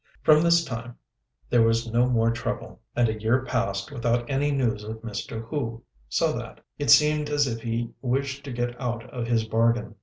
From this time there was no more trouble; and a year passed without any news of Mr. Hu, so that it seemed as if he wished to get out of his bargain.